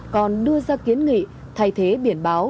còn đưa ra kiến nghị thay thế biển báo